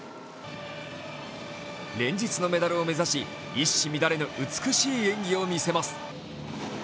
連日のメダルを目指し、一糸乱れぬ美しい演技を見せます。